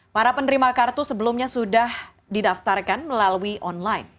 para penerima kartu sebelumnya sudah didaftarkan melalui online